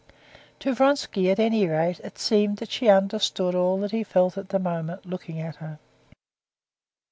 To Vronsky, at any rate, it seemed that she understood all he felt at that moment, looking at her.